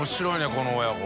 この親子。